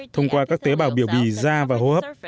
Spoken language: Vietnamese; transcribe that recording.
thông qua các tế bào biểu bì da và hô hấp